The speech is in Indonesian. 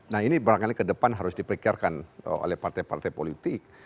nah ini barangkali ke depan harus dipikirkan oleh partai partai politik